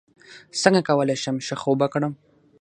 څنګه کولی شم ښه خوب وکړم